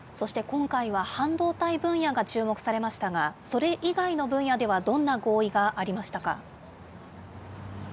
今回は、半導体分野が注目されましたが、それ以外の分野ではどんな合意がありましたか。